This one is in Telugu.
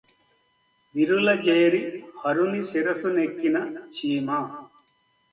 విరుల జేరి హరుని శిరసు నెక్కిన చీమ